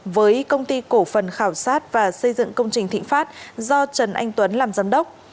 với công ty cổ phần khảo sát và xây dựng công trình thịnh pháp do trần anh tuấn làm giám đốc